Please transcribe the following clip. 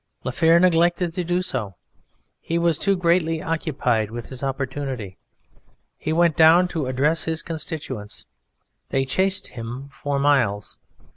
Laferre neglected to do so. He was too greatly occupied with his opportunity. He went down to "address his constituents." They chased him for miles.